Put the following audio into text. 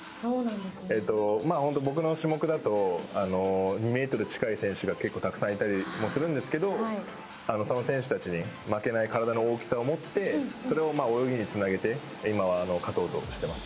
僕の種目だと２ｍ近い選手が結構、たくさんいたりもするんですけどその選手たちに負けない体の大きさを持ってそれを泳ぎにつなげて今は勝とうとしてます。